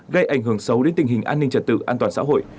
gây ảnh hưởng xấu đến tình hình an ninh trật tự an toàn xã hội